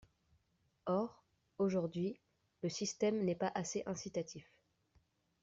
Or, aujourd’hui, le système n’est pas assez incitatif.